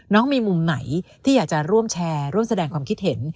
น้องมีมุมไหนที่อยากจะร่วมแชร์ร่วมแสดงความคิดเห็น